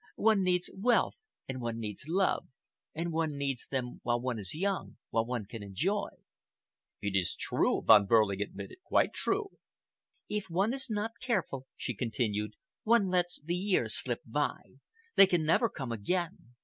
One needs wealth and one needs love, and one needs them while one is young, while one can enjoy." "It is true," Von Behrling admitted,—"quite true." "If one is not careful," she continued, "one lets the years slip by. They can never come again.